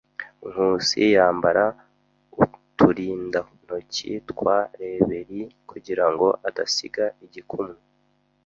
Nkusi yambara uturindantoki twa reberi kugirango adasiga igikumwe.